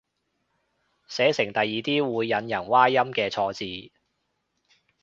寫成第二啲會引人歪音嘅錯字